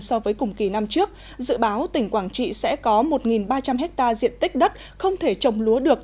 so với cùng kỳ năm trước dự báo tỉnh quảng trị sẽ có một ba trăm linh hectare diện tích đất không thể trồng lúa được